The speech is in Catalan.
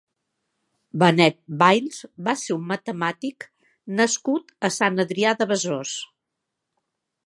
Benet Bails va ser un matemàtic nascut a Sant Adrià de Besòs.